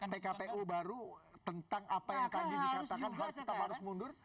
pkpu baru tentang apa yang tadi dikatakan harus mundur